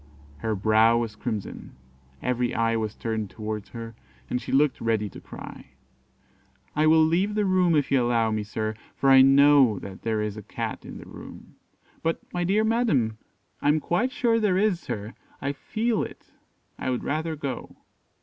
Her brow was crimson every eye was turned towards her, and she looked ready to cry. "I will leave the room, if you will allow me, sir, for I know that there is a Cat in the room." "But, my dear madam " "I am quite sure there is, sir; I feel it I would rather go."